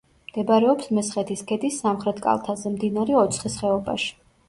მდებარეობს მესხეთის ქედის სამხრეთ კალთაზე, მდინარე ოცხის ხეობაში.